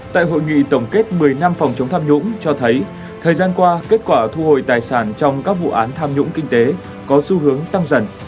tại hội nghị tổng kết một mươi năm phòng chống tham nhũng cho thấy thời gian qua kết quả thu hồi tài sản trong các vụ án tham nhũng kinh tế có xu hướng tăng dần